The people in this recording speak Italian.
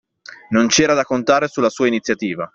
Non c’era da contare sulla sua iniziativa